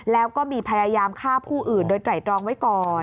แล้วก็มีพยายามฆ่าผู้อื่นโดยไตรตรองไว้ก่อน